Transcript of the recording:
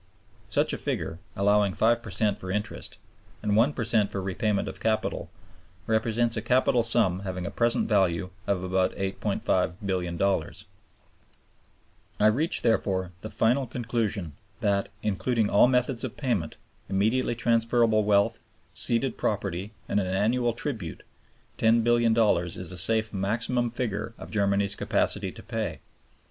Such a figure, allowing 5 per cent for interest, and 1 per cent for repayment of capital, represents a capital sum having a present value of about $8,500,000,000. I reach, therefore, the final conclusion that, including all methods of payment immediately transferable wealth, ceded property, and an annual tribute $10,000,000,000 is a safe maximum figure of Germany's capacity to pay.